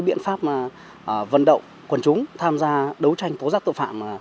biện pháp vận động quần chúng tham gia đấu tranh tố giác tội phạm